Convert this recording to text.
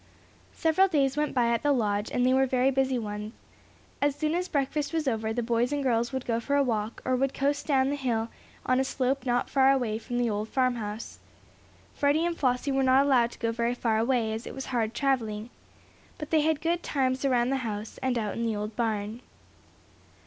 Several days went by at the Lodge, and they were very busy ones. As soon as breakfast was over the boys and girls would go for a walk, or would coast down hill on a slope not far away from the old farmhouse. Freddie and Flossie were not allowed to go very far away, as it was hard traveling. But they had good times around the house, and out in the old barn.